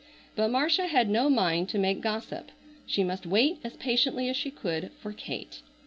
But Marcia had no mind to make gossip. She must wait as patiently as she could for Kate.